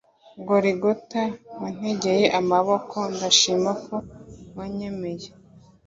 goligota wantegeye amaboko ndashima ko wanyemeye